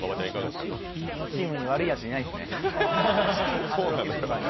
あのチームに悪いやついないですね。